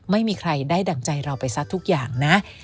ไม่มีใครได้ดั่งใจเราไปซะทุกอย่างนะ